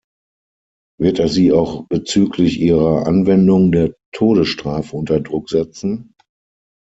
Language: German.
Wird er sie auch bezüglich ihrer Anwendung der Todesstrafe unter Druck setzen?